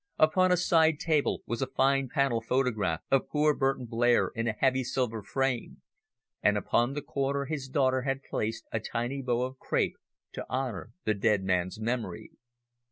Upon a side table was a fine panel photograph of poor Burton Blair in a heavy silver frame, and upon the corner his daughter had placed a tiny bow of crape to honour the dead man's memory.